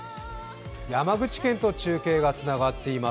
山口県と中継がつながっています。